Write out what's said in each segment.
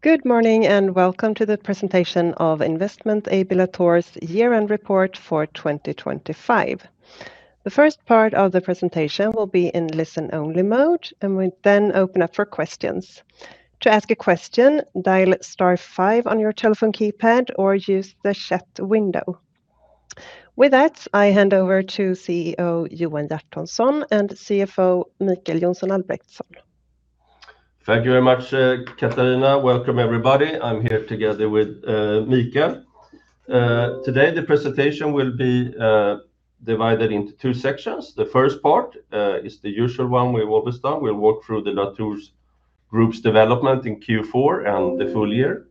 Good morning and welcome to the presentation of Investment AB Latour's year-end report for 2025. The first part of the presentation will be in listen-only mode, and we'll then open up for questions. To ask a question, dial star 5 on your telephone keypad or use the chat window. With that, I hand over to CEO Johan Hjertonsson and CFO Mikael J. Albrektsson. Thank you very much, Katarina. Welcome, everybody. I'm here together with Mikael. Today the presentation will be divided into two sections. The first part is the usual one we've always done. We'll walk through the Latour Group's development in Q4 and the full year,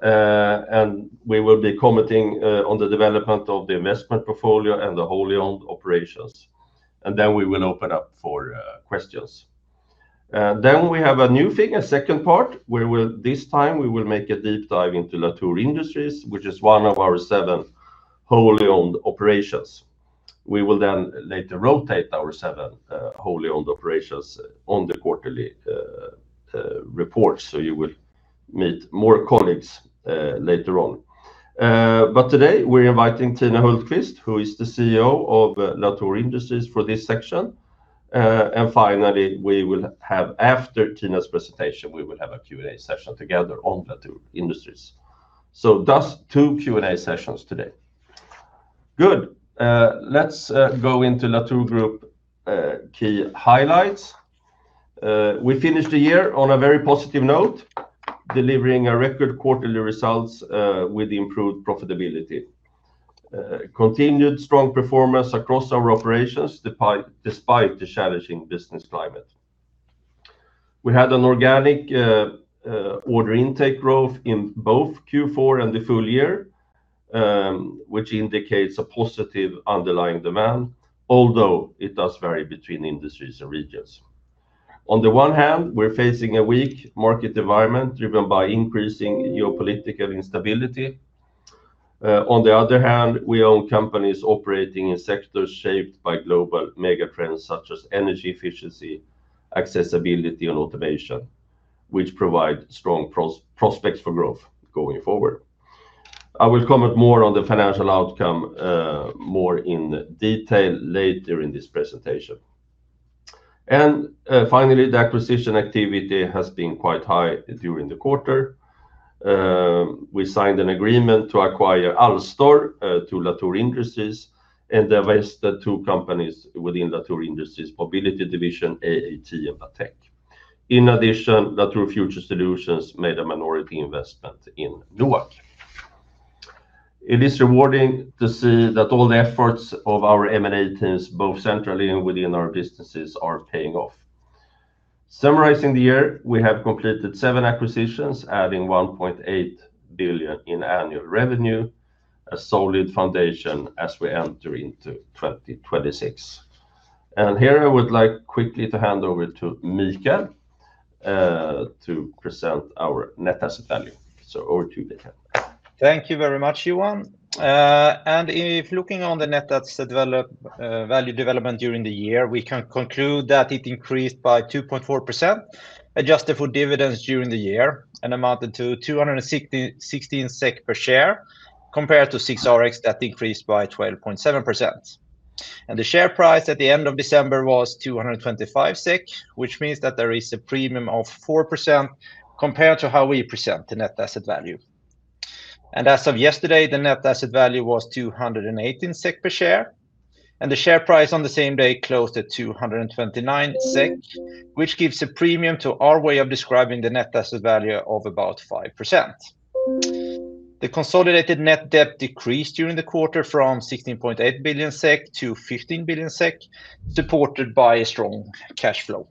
and we will be commenting on the development of the investment portfolio and the wholly-owned operations. Then we will open up for questions. Then we have a new thing, a second part, where this time we will make a deep dive into Latour Industries, which is one of our seven wholly-owned operations. We will then later rotate our seven wholly-owned operations on the quarterly report, so you will meet more colleagues later on. But today we're inviting Tina Hultkvist, who is the CEO of Latour Industries, for this section. And finally, after Tina's presentation, we will have a Q&A session together on Latour Industries. Thus, two Q&A sessions today. Good. Let's go into Latour Group key highlights. We finished the year on a very positive note, delivering a record quarterly result with improved profitability. Continued strong performance across our operations despite the challenging business climate. We had an organic order intake growth in both Q4 and the full year, which indicates a positive underlying demand, although it does vary between industries and regions. On the one hand, we're facing a weak market environment driven by increasing geopolitical instability. On the other hand, we own companies operating in sectors shaped by global megatrends such as energy efficiency, accessibility, and automation, which provide strong prospects for growth going forward. I will comment more on the financial outcome more in detail later in this presentation. Finally, the acquisition activity has been quite high during the quarter. We signed an agreement to acquire Alstor to Latour Industries and divested two companies within Latour Industries: Mobility Division, AAT, and Batec. In addition, Latour Future Solutions made a minority investment in Nuuka. It is rewarding to see that all the efforts of our M&A teams, both centrally and within our businesses, are paying off. Summarizing the year, we have completed seven acquisitions, adding 1.8 billion in annual revenue, a solid foundation as we enter into 2026. And here I would like quickly to hand over to Mikael to present our net asset value. So over to you, Mikael. Thank you very much, Johan. If looking on the net asset value development during the year, we can conclude that it increased by 2.4%, adjusted for dividends during the year, and amounted to 216 SEK per share compared to SIX RX that increased by 12.7%. The share price at the end of December was 225 SEK, which means that there is a premium of 4% compared to how we present the net asset value. As of yesterday, the net asset value wasSEK 218 per share. The share price on the same day closed at 229 SEK, which gives a premium to our way of describing the net asset value of about 5%. The consolidated net debt decreased during the quarter from 16.8 billion SEK to 15 billion SEK, supported by strong cash flow.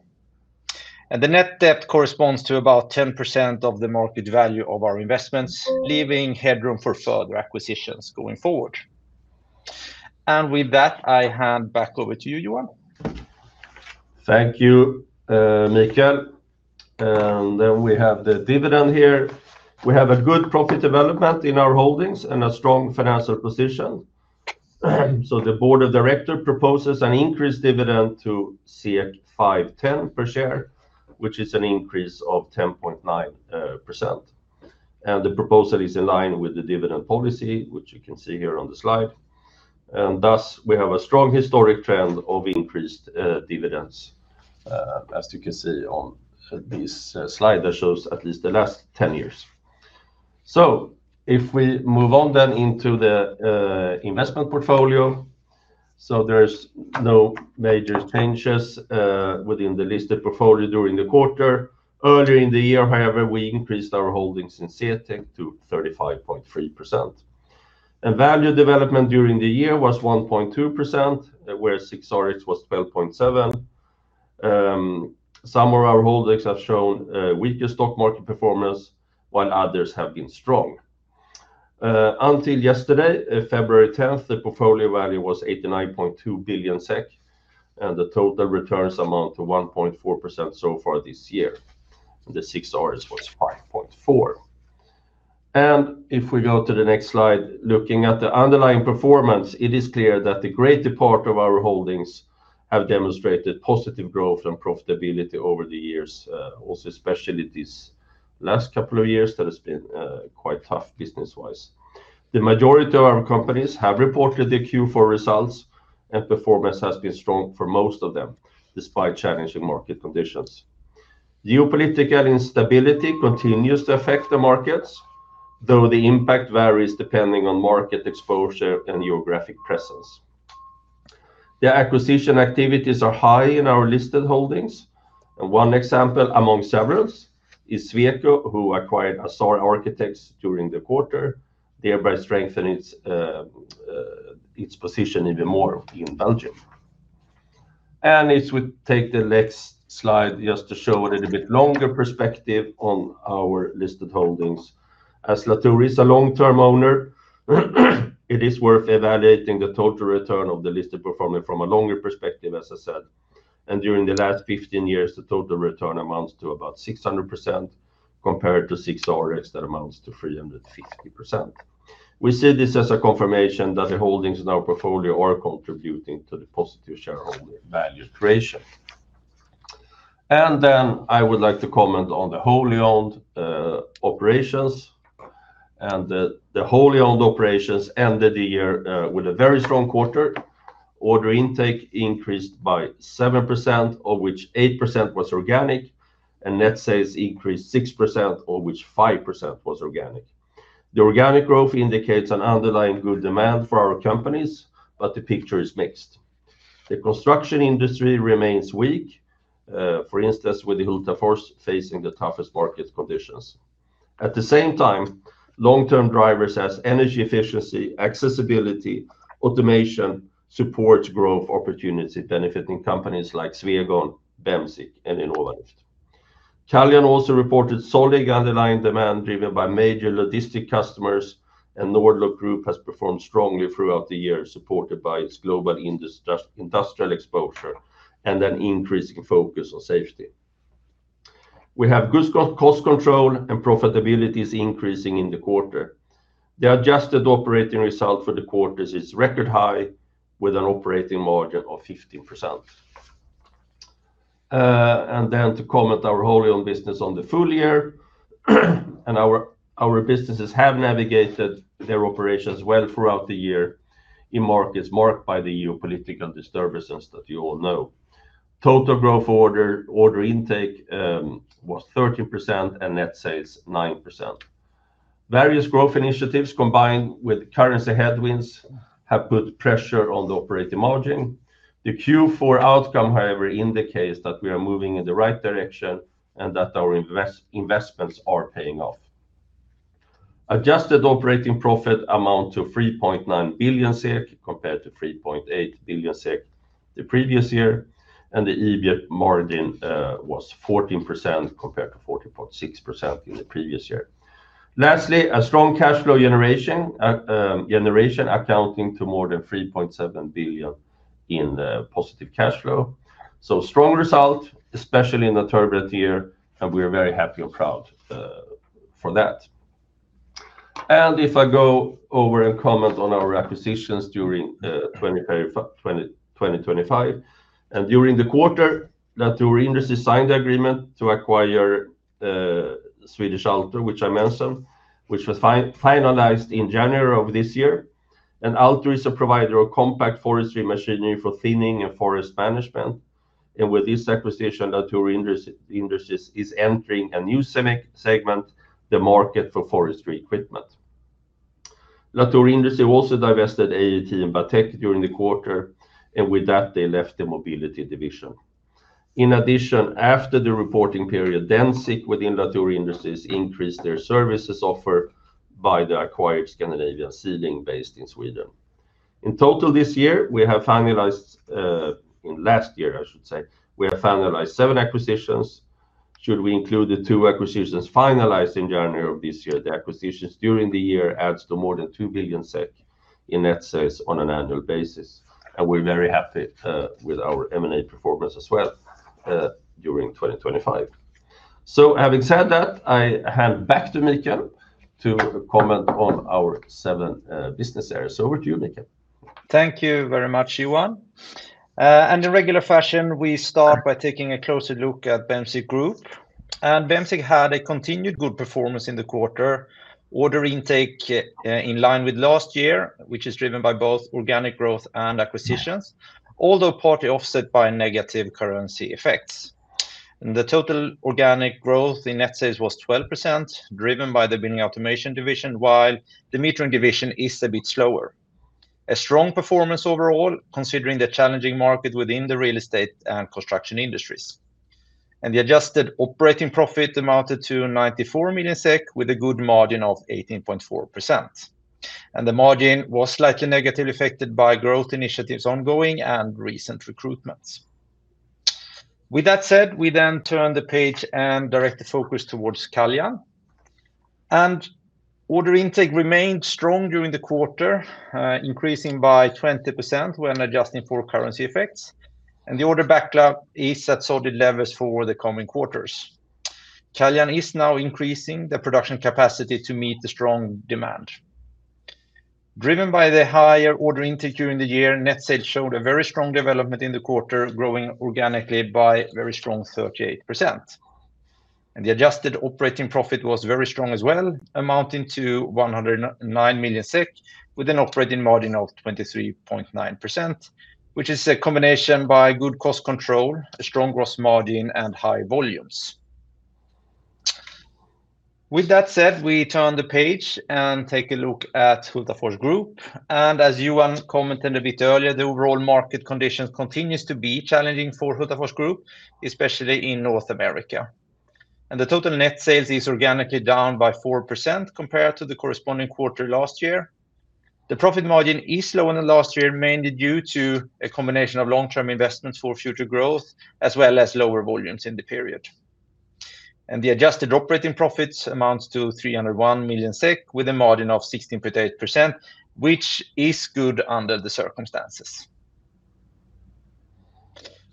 The net debt corresponds to about 10% of the market value of our investments, leaving headroom for further acquisitions going forward. And with that, I hand back over to you, Johan. Thank you, Mikael. Then we have the dividend here. We have a good profit development in our holdings and a strong financial position. The board of directors proposes an increased dividend to 5.10 per share, which is an increase of 10.9%. The proposal is in line with the dividend policy, which you can see here on the slide. Thus, we have a strong historic trend of increased dividends, as you can see on this slide that shows at least the last 10 years. If we move on then into the investment portfolio, there's no major changes within the listed portfolio during the quarter. Earlier in the year, however, we increased our holdings in CTEK to 35.3%. Value development during the year was 1.2%, where SIX RX was 12.7%. Some of our holdings have shown weaker stock market performance, while others have been strong. Until yesterday, February 10th, the portfolio value was 89.2 billion SEK, and the total returns amount to 1.4% so far this year. The SIX RX was 5.4%. If we go to the next slide, looking at the underlying performance, it is clear that a great deal of our holdings have demonstrated positive growth and profitability over the years, also especially these last couple of years that have been quite tough business-wise. The majority of our companies have reported their Q4 results, and performance has been strong for most of them despite challenging market conditions. Geopolitical instability continues to affect the markets, though the impact varies depending on market exposure and geographic presence. The acquisition activities are high in our listed holdings. One example among several is Swegon, who acquired assar architects during the quarter, thereby strengthening its position even more in Belgium. And if we take the next slide just to show a little bit longer perspective on our listed holdings, as Latour is a long-term owner, it is worth evaluating the total return of the listed portfolio from a longer perspective, as I said. And during the last 15 years, the total return amounts to about 600% compared to SIX RX that amounts to 350%. We see this as a confirmation that the holdings in our portfolio are contributing to the positive shareholder value creation. And then I would like to comment on the wholly-owned operations. And the wholly-owned operations ended the year with a very strong quarter. Order intake increased by 7%, of which 8% was organic. And net sales increased 6%, of which 5% was organic. The organic growth indicates an underlying good demand for our companies, but the picture is mixed. The construction industry remains weak, for instance, with the Hultafors facing the toughest market conditions. At the same time, long-term drivers as energy efficiency, accessibility, automation support growth opportunities benefiting companies like Sweco, Bemsiq, and Innovalift. Caljan also reported solid underlying demand driven by major logistic customers, and Nord-Lock Group has performed strongly throughout the year, supported by its global industrial exposure and an increasing focus on safety. We have good cost control, and profitability is increasing in the quarter. The adjusted operating result for the quarter is record high, with an operating margin of 15%. Then to comment our wholly-owned business on the full year. Our businesses have navigated their operations well throughout the year in markets marked by the geopolitical disturbances that you all know. Total growth order intake was 13% and net sales 9%. Various growth initiatives, combined with currency headwinds, have put pressure on the operating margin. The Q4 outcome, however, indicates that we are moving in the right direction and that our investments are paying off. Adjusted operating profit amount to 3.9 billion SEK compared to 3.8 billion SEK the previous year, and the EBIT margin was 14% compared to 14.6% in the previous year. Lastly, a strong cash flow generation, accounting to more than 3.7 billion in positive cash flow. So strong result, especially in a turbulent year, and we are very happy and proud for that. And if I go over and comment on our acquisitions during 2025, and during the quarter, Latour Industries signed the agreement to acquire Swedish Alstor, which I mentioned, which was finalized in January of this year. And Alstor is a provider of compact forestry machinery for thinning and forest management. With this acquisition, Latour Industries is entering a new segment, the market for forestry equipment. Latour Industries also divested AAT and Batec during the quarter, and with that, they left the Mobility Division. In addition, after the reporting period, Bemsiq within Latour Industries increased their services offer by the acquired Scandinavian Sealing based in Sweden. In total this year, we have finalized in last year, I should say, we have finalized seven acquisitions. Should we include the two acquisitions finalized in January of this year, the acquisitions during the year add to more than 2 billion SEK in net sales on an annual basis. And we're very happy with our M&A performance as well during 2025. So having said that, I hand back to Mikael to comment on our seven business areas. Over to you, Mikael. Thank you very much, Johan. In regular fashion, we start by taking a closer look at Bemsiq Group. Bemsiq had a continued good performance in the quarter, order intake in line with last year, which is driven by both organic growth and acquisitions, although partly offset by negative currency effects. The total organic growth in net sales was 12%, driven by the building automation division, while the metering division is a bit slower. A strong performance overall, considering the challenging market within the real estate and construction industries. The adjusted operating profit amounted to 94 million SEK, with a good margin of 18.4%. The margin was slightly negatively affected by growth initiatives ongoing and recent recruitments. With that said, we then turned the page and directed focus towards Caljan. Order intake remained strong during the quarter, increasing by 20% when adjusting for currency effects. The order backlog is at solid levels for the coming quarters. Caljan is now increasing the production capacity to meet the strong demand. Driven by the higher order intake during the year, net sales showed a very strong development in the quarter, growing organically by a very strong 38%. The adjusted operating profit was very strong as well, amounting to 109 million SEK, with an operating margin of 23.9%, which is a combination of good cost control, a strong gross margin, and high volumes. With that said, we turn the page and take a look at Hultafors Group. As Johan commented a bit earlier, the overall market conditions continue to be challenging for Hultafors Group, especially in North America. The total net sales is organically down by 4% compared to the corresponding quarter last year. The profit margin is lower than last year, mainly due to a combination of long-term investments for future growth, as well as lower volumes in the period. The adjusted operating profits amount to 301 million SEK, with a margin of 16.8%, which is good under the circumstances.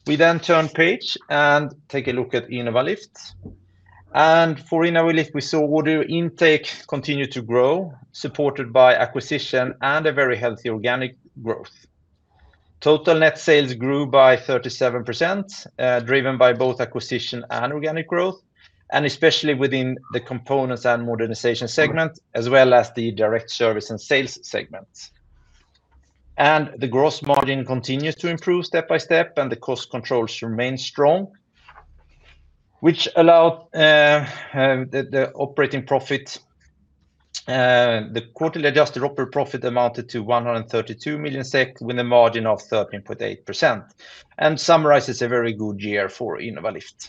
We then turned the page and take a look at Innovalift. For Innovalift, we saw order intake continue to grow, supported by acquisition and a very healthy organic growth. Total net sales grew by 37%, driven by both acquisition and organic growth, and especially within the components and modernization segment, as well as the direct service and sales segments. The gross margin continues to improve step by step, and the cost controls remain strong, which allowed the operating profit. The quarterly adjusted operating profit amounted to 132 million SEK, with a margin of 13.8%, and summarizes a very good year for Innovalift.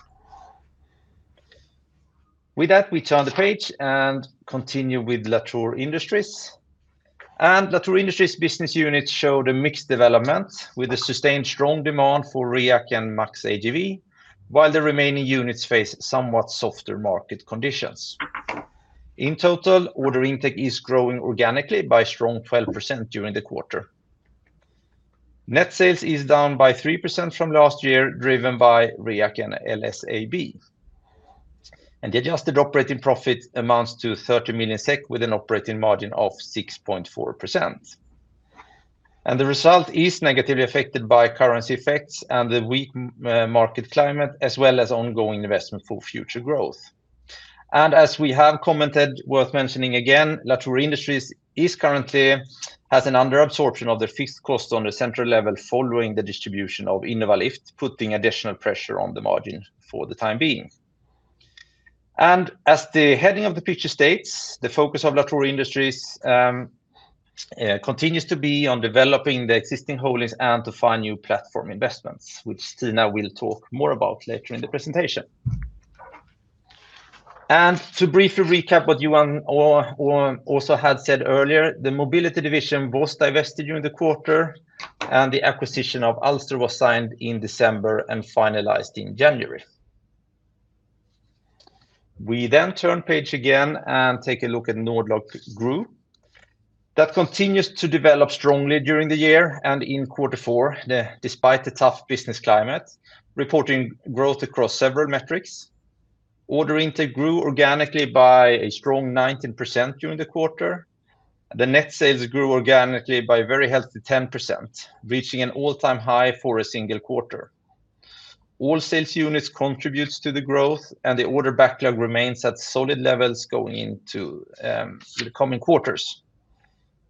With that, we turn the page and continue with Latour Industries. Latour Industries business units showed a mixed development with a sustained strong demand for REAC and MAXAGV, while the remaining units face somewhat softer market conditions. In total, order intake is growing organically by a strong 12% during the quarter. Net sales is down by 3% from last year, driven by REAC and LSAB. The adjusted operating profit amounts to 30 million SEK, with an operating margin of 6.4%. The result is negatively affected by currency effects and the weak market climate, as well as ongoing investment for future growth. As we have commented, worth mentioning again, Latour Industries currently has an underabsorption of their fixed costs on the central level following the distribution of Innovalift, putting additional pressure on the margin for the time being. As the heading of the picture states, the focus of Latour Industries continues to be on developing the existing holdings and to find new platform investments, which Tina will talk more about later in the presentation. To briefly recap what Johan also had said earlier, the mobility division was divested during the quarter, and the acquisition of Alstor was signed in December and finalized in January. We then turned the page again and take a look at Nord-Lock Group. That continues to develop strongly during the year. In quarter four, despite the tough business climate, reporting growth across several metrics. Order intake grew organically by a strong 19% during the quarter. The net sales grew organically by a very healthy 10%, reaching an all-time high for a single quarter. All sales units contribute to the growth, and the order backlog remains at solid levels going into the coming quarters.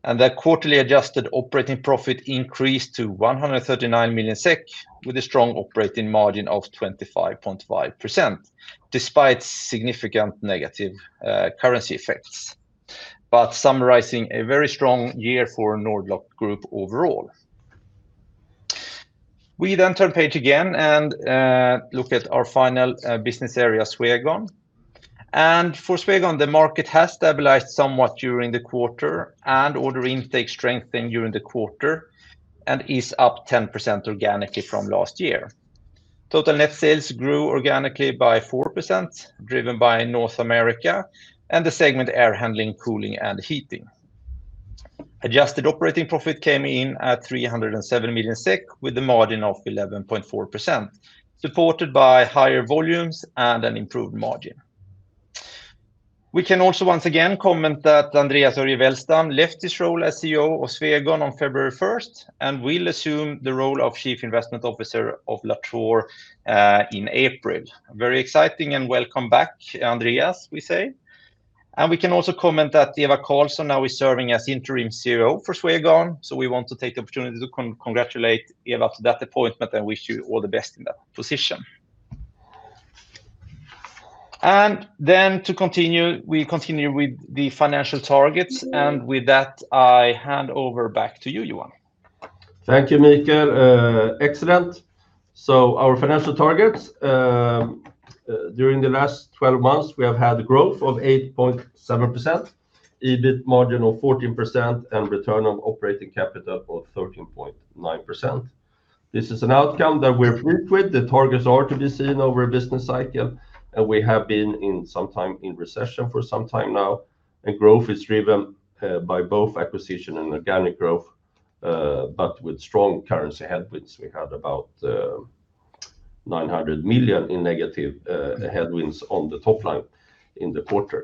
The quarterly adjusted operating profit increased to 139 million SEK, with a strong operating margin of 25.5%, despite significant negative currency effects, but summarizing a very strong year for Nord-Lock Group overall. We then turned the page again and looked at our final business area, Swegon. For Swegon, the market has stabilized somewhat during the quarter, and order intake strengthened during the quarter and is up 10% organically from last year. Total net sales grew organically by 4%, driven by North America and the segment air handling, cooling, and heating. Adjusted operating profit came in at 307 million SEK, with a margin of 11.4%, supported by higher volumes and an improved margin. We can also once again comment that Andreas Örje Wellstam left his role as CEO of Swegon on February 1st and will assume the role of Chief Investment Officer of Latour in April. Very exciting and welcome back, Andreas, we say. And we can also comment that Eva Karlsson now is serving as interim CEO for Swegon. So we want to take the opportunity to congratulate Eva to that appointment and wish you all the best in that position. And then to continue, we continue with the financial targets. And with that, I hand over back to you, Johan. Thank you, Mikael. Excellent. So our financial targets, during the last 12 months, we have had growth of 8.7%, EBIT margin of 14%, and return on operating capital of 13.9%. This is an outcome that we're pleased with. The targets are to be seen over a business cycle. We have been in some time in recession for some time now. Growth is driven by both acquisition and organic growth, but with strong currency headwinds. We had about 900 million in negative headwinds on the top line in the quarter,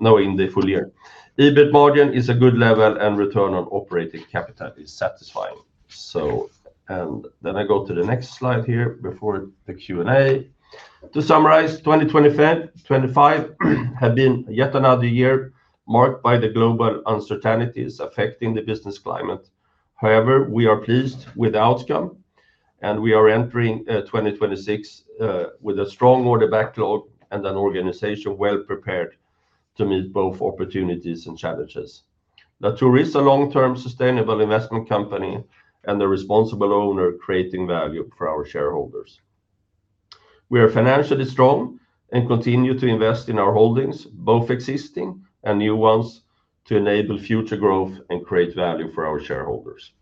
no, in the full year. EBIT margin is a good level, and return on operating capital is satisfying. Then I go to the next slide here before the Q&A. To summarize, 2025 had been yet another year marked by the global uncertainties affecting the business climate. However, we are pleased with the outcome, and we are entering 2026 with a strong order backlog and an organization well prepared to meet both opportunities and challenges. Latour is a long-term sustainable investment company and a responsible owner creating value for our shareholders. We are financially strong and continue to invest in our holdings, both existing and new ones, to enable future growth and create value for our shareholders.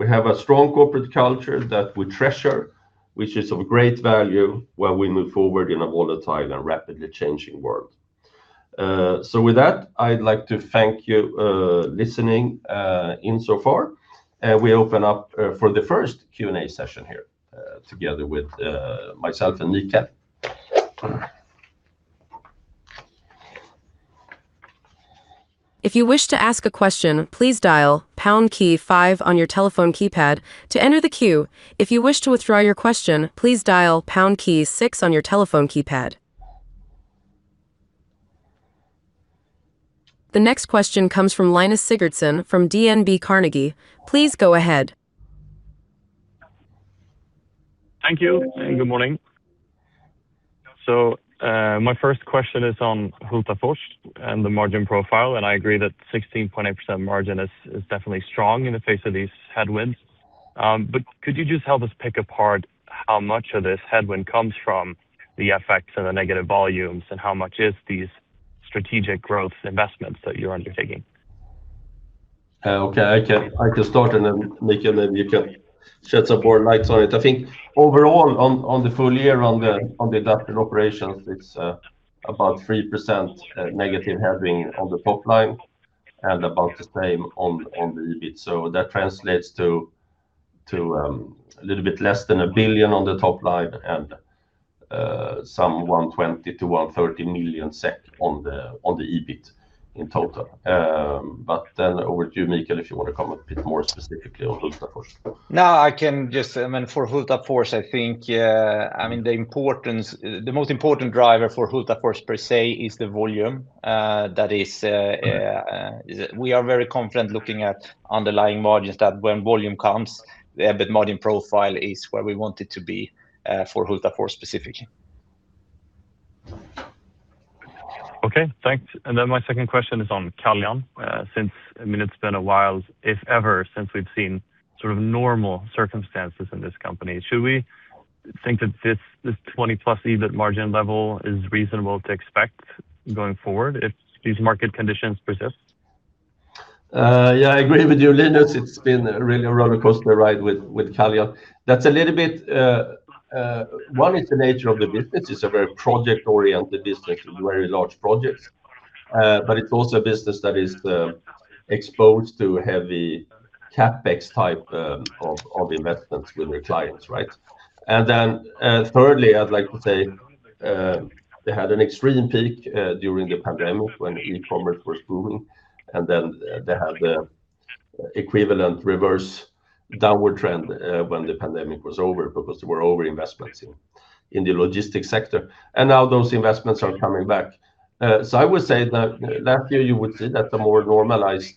We have a strong corporate culture that we treasure, which is of great value while we move forward in a volatile and rapidly changing world. So with that, I'd like to thank you for listening in so far. We open up for the first Q&A session here together with myself and Mikael. If you wish to ask a question, please dial pound key 5 on your telephone keypad to enter the queue. If you wish to withdraw your question, please dial pound key 6 on your telephone keypad. The next question comes from Linus Sigurdsson from DNB Carnegie. Please go ahead. Thank you. Good morning. My first question is on Hultafors and the margin profile. I agree that 16.8% margin is definitely strong in the face of these headwinds. Could you just help us pick apart how much of this headwind comes from the effects and the negative volumes, and how much is these strategic growth investments that you're undertaking? Okay. I can start. And then, Mikael, then you can shed some more light on it. I think overall, on the full year on the adaptive operations, it's about 3% negative headwind on the top line and about the same on the EBIT. So that translates to a little bit less than a billion Swedish Krona on the top line and some 120 million-130 million SEK on the EBIT in total. But then over to you, Mikael, if you want to comment a bit more specifically on Hultafors. No, I can just I mean, for Hultafors, I think I mean, the most important driver for Hultafors per se is the volume. That is, we are very confident looking at underlying margins that when volume comes, the EBIT margin profile is where we want it to be for Hultafors specifically. Okay. Thanks. And then my second question is on Caljan. Since it's been a minute, if ever, since we've seen sort of normal circumstances in this company, should we think that this 20+% EBIT margin level is reasonable to expect going forward if these market conditions persist? Yeah, I agree with you, Linus. It's been really a roller coaster ride with Caljan. That's a little bit one, it's the nature of the business. It's a very project-oriented business with very large projects. But it's also a business that is exposed to heavy CapEx type of investments with their clients, right? And then thirdly, I'd like to say they had an extreme peak during the pandemic when e-commerce was booming. And then they had the equivalent reverse downward trend when the pandemic was over because there were overinvestments in the logistics sector. And now those investments are coming back. So I would say that last year, you would see that the more normalized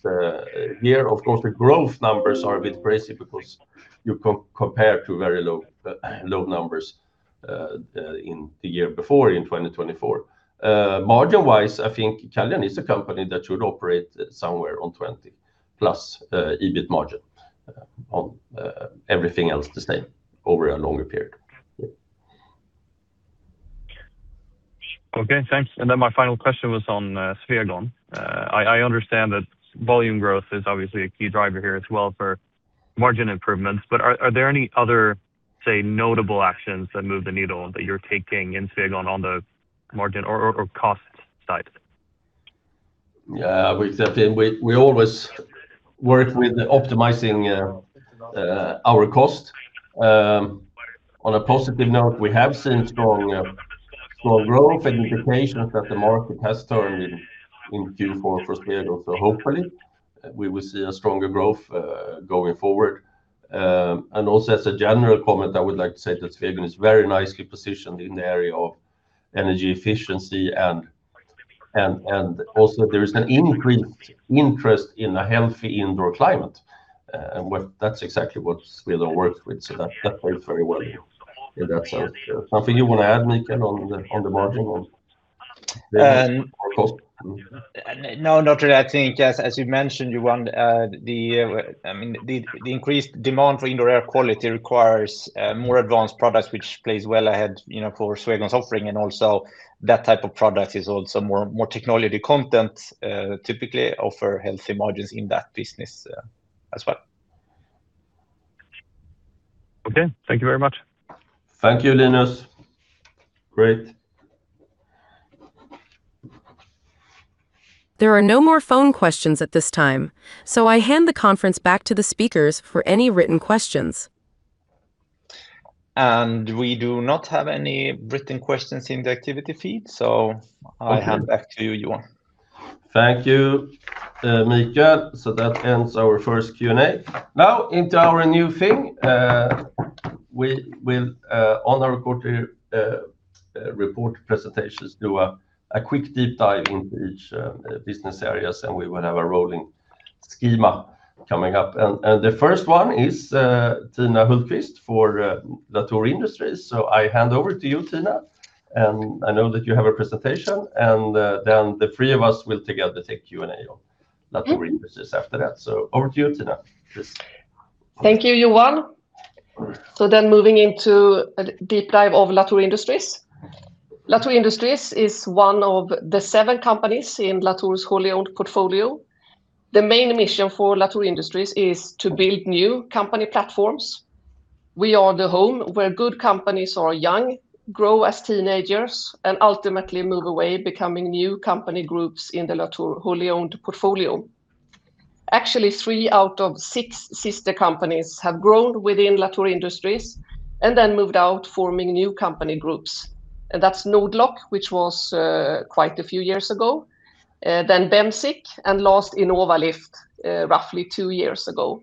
year, of course, the growth numbers are a bit crazy because you compare to very low numbers in the year before, in 2024. Margin-wise, I think Caljan is a company that should operate somewhere on 20+% EBIT margin on everything else the same over a longer period. Okay. Thanks. And then my final question was on Swegon. I understand that volume growth is obviously a key driver here as well for margin improvements. But are there any other, say, notable actions that move the needle that you're taking in Swegon on the margin or cost side? Yeah. We always work with optimizing our cost. On a positive note, we have seen strong growth and indications that the market has turned in Q4 for Swegon. So hopefully, we will see a stronger growth going forward. And also as a general comment, I would like to say that Swegon is very nicely positioned in the area of energy efficiency. And also, there is an increased interest in a healthy indoor climate. And that's exactly what Swegon works with. So that works very well in that sense. Something you want to add, Mikael, on the margin or cost? No, not really. I think as you mentioned, Johan, I mean, the increased demand for indoor air quality requires more advanced products, which plays well ahead for Swegon's offering. And also that type of product is also more technology content, typically offer healthy margins in that business as well. Okay. Thank you very much. Thank you, Linus. Great. There are no more phone questions at this time. So I hand the conference back to the speakers for any written questions. We do not have any written questions in the activity feed. I hand back to you, Johan. Thank you, Mikael. That ends our first Q&A. Now into our new thing. On our quarterly report presentations, do a quick deep dive into each business area. We will have a rolling schedule coming up. The first one is Tina Hultkvist for Latour Industries. I hand over to you, Tina. I know that you have a presentation. Then the three of us will together take Q&A on Latour Industries after that. Over to you, Tina. Please. Thank you, Johan. So then moving into a deep dive of Latour Industries. Latour Industries is one of the seven companies in Latour's wholly owned portfolio. The main mission for Latour Industries is to build new company platforms. We are the home where good companies are young, grow as teenagers, and ultimately move away, becoming new company groups in the Latour wholly owned portfolio. Actually, three out of six sister companies have grown within Latour Industries and then moved out, forming new company groups. And that's Nord-Lock, which was quite a few years ago, then Bemsiq, and last, Innovalift, roughly two years ago.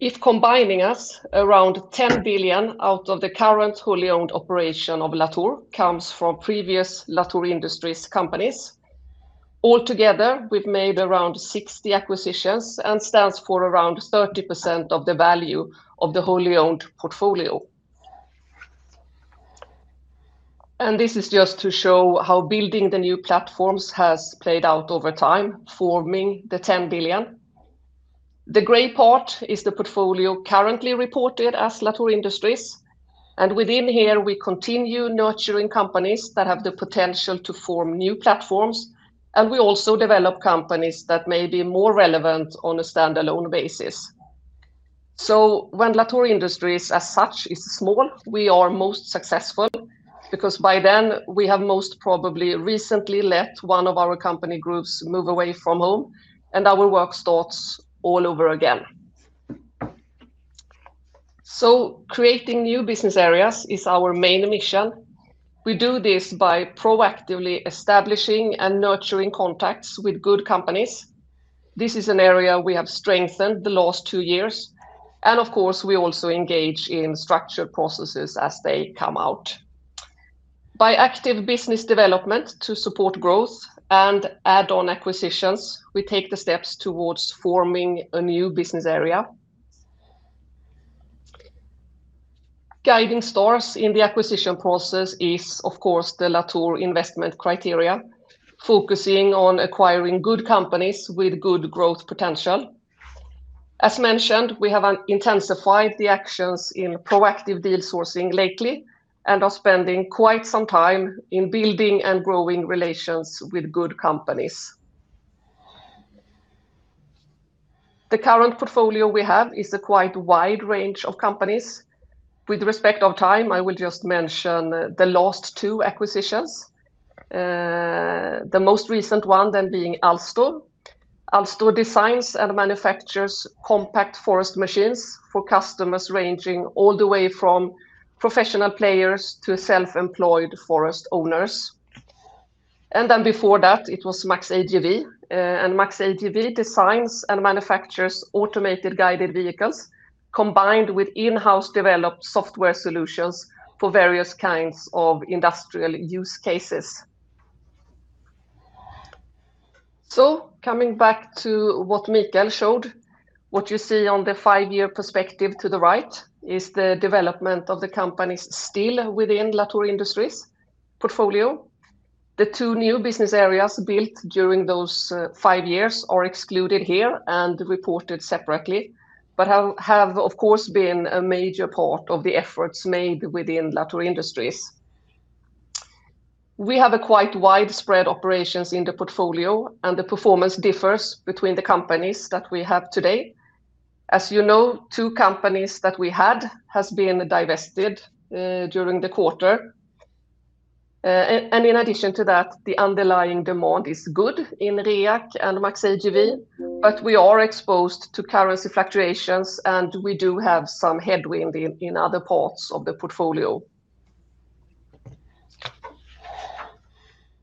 If combining us, around 10 billion out of the current wholly owned operation of Latour comes from previous Latour Industries companies. Altogether, we've made around 60 acquisitions and stands for around 30% of the value of the wholly owned portfolio. This is just to show how building the new platforms has played out over time, forming the 10 billion. The gray part is the portfolio currently reported as Latour Industries. Within here, we continue nurturing companies that have the potential to form new platforms. We also develop companies that may be more relevant on a standalone basis. So when Latour Industries, as such, is small, we are most successful because by then, we have most probably recently let one of our company groups move away from home. Our work starts all over again. So creating new business areas is our main mission. We do this by proactively establishing and nurturing contacts with good companies. This is an area we have strengthened the last two years. Of course, we also engage in structured processes as they come out. By active business development to support growth and add-on acquisitions, we take the steps towards forming a new business area. Guiding stars in the acquisition process is, of course, the Latour investment criteria, focusing on acquiring good companies with good growth potential. As mentioned, we have intensified the actions in proactive deal sourcing lately and are spending quite some time in building and growing relations with good companies. The current portfolio we have is a quite wide range of companies. With respect to time, I will just mention the last two acquisitions, the most recent one then being Alstor. Alstor designs and manufactures compact forest machines for customers ranging all the way from professional players to self-employed forest owners. Then before that, it was MAXAGV. MAXAGV designs and manufactures automated guided vehicles combined with in-house developed software solutions for various kinds of industrial use cases. Coming back to what Mikael showed, what you see on the five-year perspective to the right is the development of the company still within Latour Industries portfolio. The two new business areas built during those five years are excluded here and reported separately but have, of course, been a major part of the efforts made within Latour Industries. We have quite widespread operations in the portfolio. The performance differs between the companies that we have today. As you know, two companies that we had have been divested during the quarter. In addition to that, the underlying demand is good in REAC and MAXAGV. But we are exposed to currency fluctuations. We do have some headwind in other parts of the portfolio.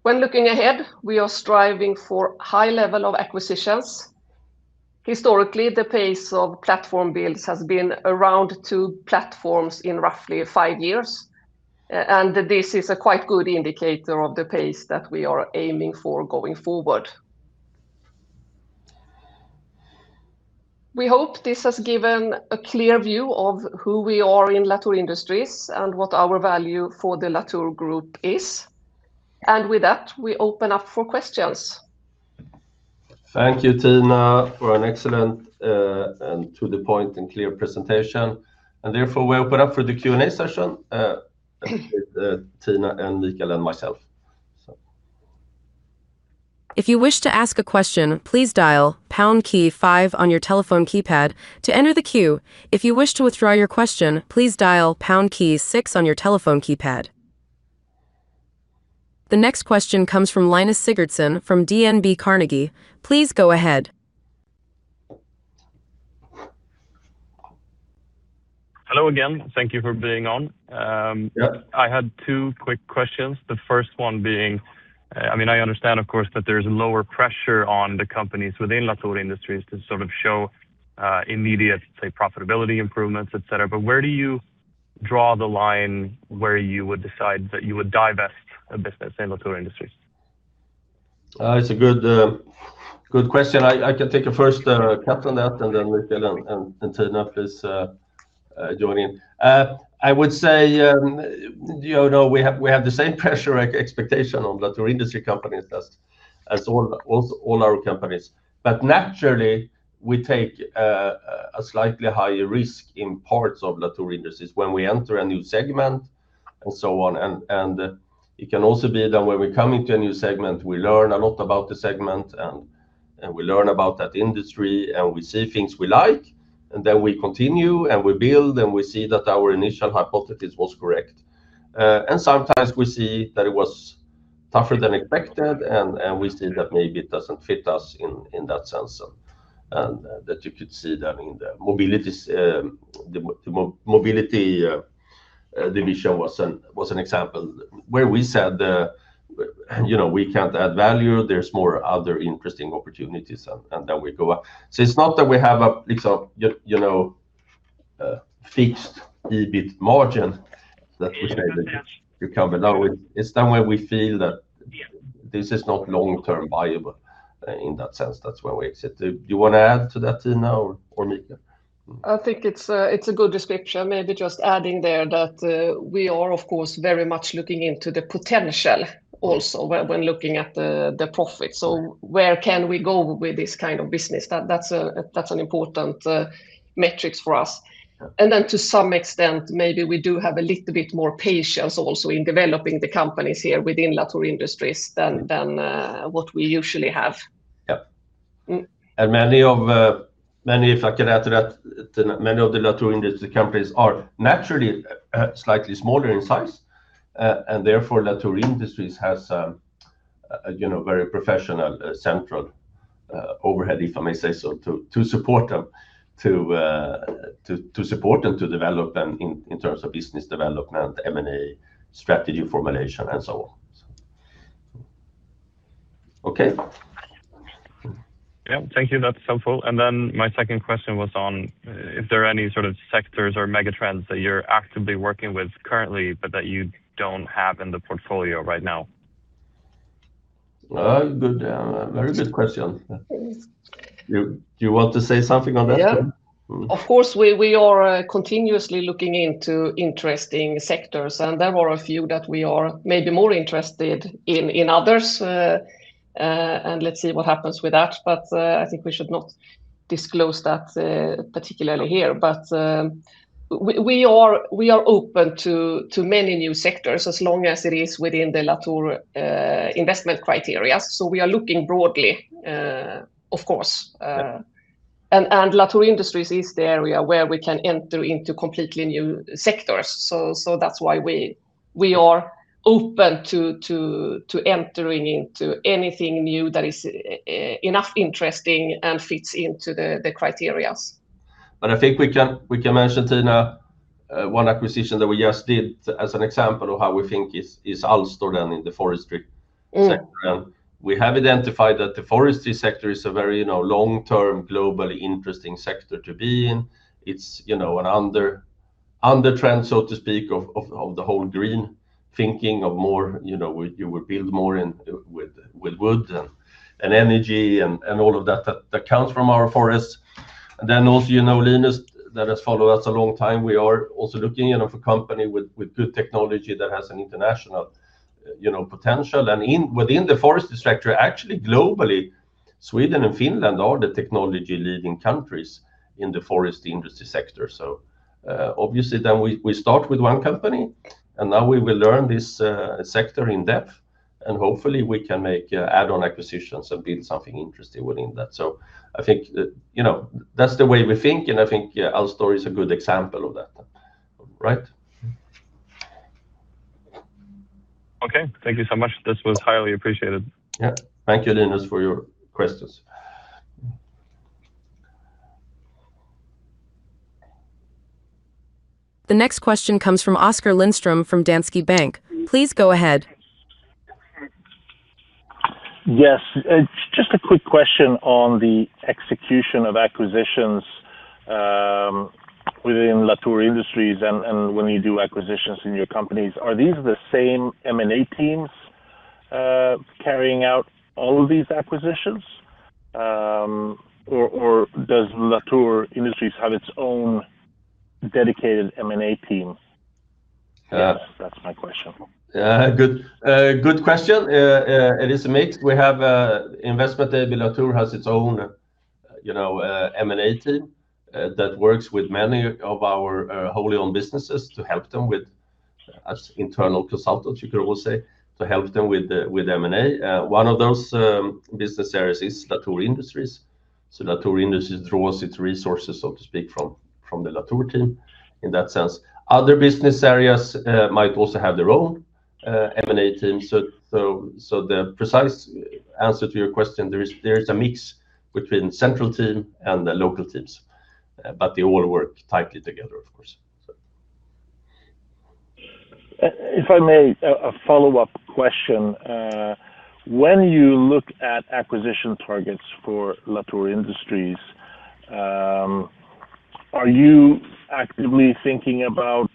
When looking ahead, we are striving for a high level of acquisitions. Historically, the pace of platform builds has been around 2 platforms in roughly 5 years. This is a quite good indicator of the pace that we are aiming for going forward. We hope this has given a clear view of who we are in Latour Industries and what our value for the Latour Group is. With that, we open up for questions. Thank you, Tina, for an excellent and to-the-point and clear presentation. Therefore, we open up for the Q&A session with Tina and Mikael and myself. If you wish to ask a question, please dial pound key 5 on your telephone keypad to enter the queue. If you wish to withdraw your question, please dial pound key 6 on your telephone keypad. The next question comes from Linus Sigurdsson from DNB Carnegie. Please go ahead. Hello again. Thank you for being on. I had two quick questions, the first one being I mean, I understand, of course, that there is lower pressure on the companies within Latour Industries to sort of show immediate, say, profitability improvements, etc. But where do you draw the line where you would decide that you would divest a business in Latour Industries? It's a good question. I can take a first cut on that. And then Mikael and Tina, please join in. I would say, you know, we have the same pressure expectation on Latour Industries companies as all our companies. But naturally, we take a slightly higher risk in parts of Latour Industries when we enter a new segment and so on. And it can also be that when we come into a new segment, we learn a lot about the segment. And we learn about that industry. And we see things we like. And then we continue. And we build. And we see that our initial hypothesis was correct. And sometimes, we see that it was tougher than expected. And we see that maybe it doesn't fit us in that sense. And that you could see that in the mobility division was an example where we said, you know, we can't add value. There's more other interesting opportunities. And then we go up. So it's not that we have a, you know, fixed EBIT margin that we say that you come below. It's then when we feel that this is not long-term viable in that sense. That's when we exit. Do you want to add to that, Tina or Mikael? I think it's a good description. Maybe just adding there that we are, of course, very much looking into the potential also when looking at the profit. So where can we go with this kind of business? That's an important metric for us. And then to some extent, maybe we do have a little bit more patience also in developing the companies here within Latour Industries than what we usually have. Yeah. Many of the Latour Industries companies are naturally slightly smaller in size. Therefore, Latour Industries has a very professional central overhead, if I may say so, to support them to develop them in terms of business development, M&A strategy formulation, and so on. Okay. Yeah. Thank you. That's helpful. And then my second question was on if there are any sort of sectors or megatrends that you're actively working with currently but that you don't have in the portfolio right now. Good. Very good question. Do you want to say something on that, Tina? Yeah. Of course, we are continuously looking into interesting sectors. And there are a few that we are maybe more interested in others. And let's see what happens with that. But I think we should not disclose that particularly here. But we are open to many new sectors as long as it is within the Latour investment criteria. So we are looking broadly, of course. And Latour Industries is the area where we can enter into completely new sectors. So that's why we are open to entering into anything new that is enough interesting and fits into the criteria. I think we can mention, Tina, one acquisition that we just did as an example of how we think is Alstor then in the forestry sector. We have identified that the forestry sector is a very long-term, globally interesting sector to be in. It's an undertrend, so to speak, of the whole green thinking of more you would build more with wood and energy and all of that that comes from our forests. Then also, Linus, that has followed us a long time, we are also looking for a company with good technology that has an international potential. And within the forestry sector, actually, globally, Sweden and Finland are the technology-leading countries in the forestry industry sector. So obviously, then we start with one company. Now we will learn this sector in depth. And hopefully, we can make add-on acquisitions and build something interesting within that. I think that's the way we think. I think Alstor is a good example of that. Right? Okay. Thank you so much. This was highly appreciated. Yeah. Thank you, Linus, for your questions. The next question comes from Oscar Lindström from Danske Bank. Please go ahead. Yes. Just a quick question on the execution of acquisitions within Latour Industries. When you do acquisitions in your companies, are these the same M&A teams carrying out all of these acquisitions? Or does Latour Industries have its own dedicated M&A team? That's my question. Good question. It is a mix. We have investment day. Latour has its own M&A team that works with many of our wholly owned businesses to help them with, as internal consultants, you could also say, to help them with M&A. One of those business areas is Latour Industries. So Latour Industries draws its resources, so to speak, from the Latour team in that sense. Other business areas might also have their own M&A team. So the precise answer to your question, there is a mix between central team and local teams. But they all work tightly together, of course. If I may, a follow-up question. When you look at acquisition targets for Latour Industries, are you actively thinking about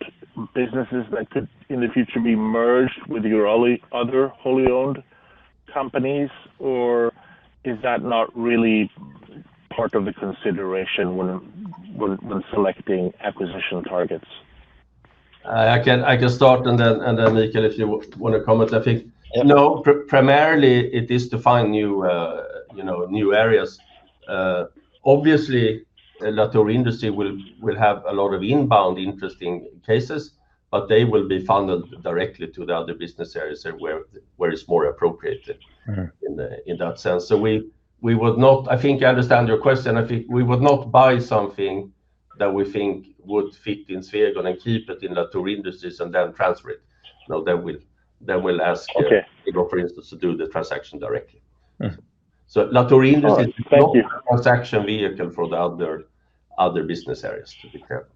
businesses that could, in the future, be merged with your other wholly owned companies? Or is that not really part of the consideration when selecting acquisition targets? I can start. And then, Mikael, if you want to comment. I think, no, primarily, it is to find new areas. Obviously, Latour Industries will have a lot of inbound interesting cases. But they will be funneled directly to the other business areas where it's more appropriate in that sense. So we would not, I think. I understand your question. I think we would not buy something that we think would fit in Swegon and keep it in Latour Industries and then transfer it. No, then we'll ask Igor, for instance, to do the transaction directly. So Latour Industries is not a transaction vehicle for the other business areas, to be clear.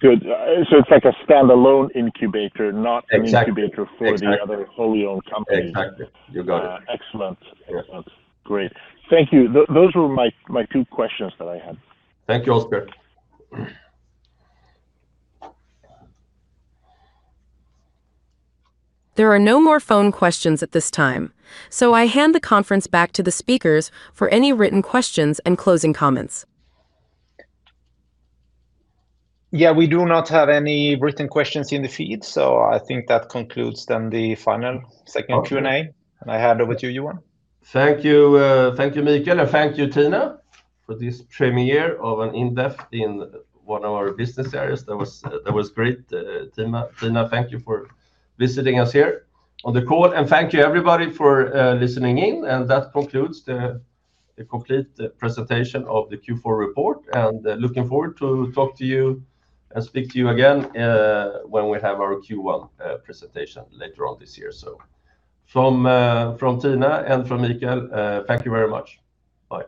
Good. So it's like a standalone incubator, not an incubator for the other wholly owned companies. Exactly. You got it. Excellent. Great. Thank you. Those were my two questions that I had. Thank you, Oscar. There are no more phone questions at this time. So I hand the conference back to the speakers for any written questions and closing comments. Yeah. We do not have any written questions in the feed. I think that concludes then the final second Q&A. I hand over to you, Johan. Thank you, Mikael. And thank you, Tina, for this premiere of an in-depth in one of our business areas. That was great, Tina. Tina, thank you for visiting us here on the call. And thank you, everybody, for listening in. And that concludes the complete presentation of the Q4 report. And looking forward to talking to you and speaking to you again when we have our Q1 presentation later on this year. So from Tina and from Mikael, thank you very much. Bye.